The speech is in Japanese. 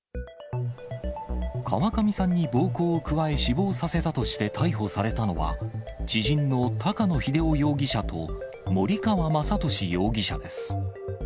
川上さんに暴行を加え、死亡させたとして逮捕されたのは、知人の高野秀雄容疑者と、守川昌利容疑者です。